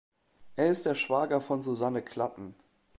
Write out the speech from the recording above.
Er ist der Schwager von Susanne Klatten.